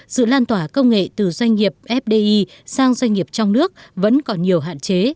sự lan tỏa công nghệ từ doanh nghiệp fdi sang doanh nghiệp trong nước vẫn còn nhiều hạn chế